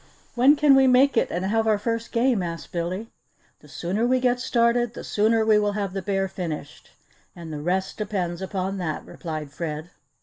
"When can we make it and have our first game?" asked Billy. "The sooner we get started the sooner we will have the bear finished, and the rest depends upon that!" replied Fred.